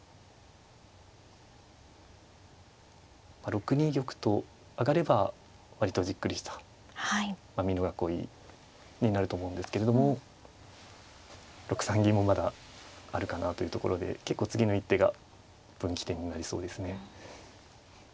６二玉と上がれば割とじっくりした美濃囲いになると思うんですけれども６三銀もまだあるかなというところで結構次の一手が分岐点になりそうですね。